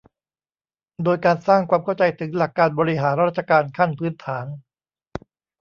โดยการสร้างความเข้าใจถึงหลักการบริหารราชการขั้นพื้นฐาน